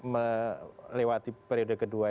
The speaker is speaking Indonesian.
melewati periode kedua